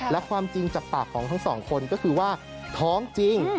และความจริงจากปากของทั้งสองคนก็คือว่าท้องจริง